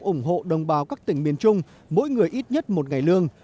ủng hộ đồng bào các tỉnh miền trung mỗi người ít nhất một ngày lương